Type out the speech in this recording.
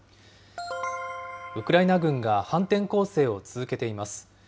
ウクライナ軍が反転攻勢を続けています。